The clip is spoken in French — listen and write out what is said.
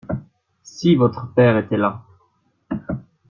Si votre père était là!